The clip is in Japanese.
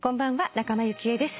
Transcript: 仲間由紀恵です。